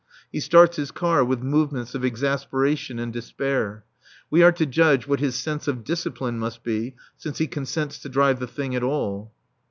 He starts his car with movements of exasperation and despair. We are to judge what his sense of discipline must be since he consents to drive the thing at all.